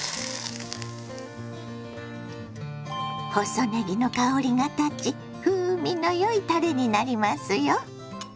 細ねぎの香りが立ち風味のよいたれになりますよ。